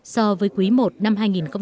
so với quý i năm hai nghìn một mươi tám